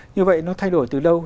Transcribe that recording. như vậy nó thay đổi từ đâu